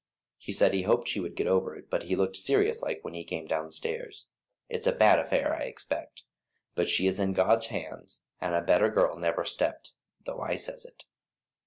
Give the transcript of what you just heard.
He said he hoped she would get over it, but he looked serious like when he came downstairs. It's a bad affair, I expect. But she is in God's hands, and a better girl never stepped, though I says it."